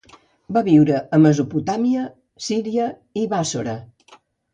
Va viure a Mesopotàmia, Síria i Bàssora.